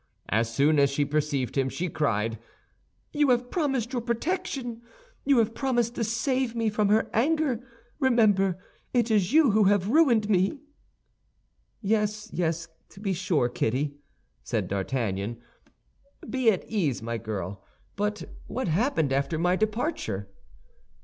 As soon as she perceived him, she cried, "You have promised your protection; you have promised to save me from her anger. Remember, it is you who have ruined me!" "Yes, yes, to be sure, Kitty," said D'Artagnan; "be at ease, my girl. But what happened after my departure?"